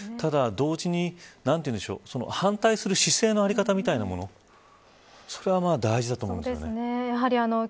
ただ同時になんて言うんでしょう反対する姿勢の在り方みたいなものそれは大事だと思うんですね。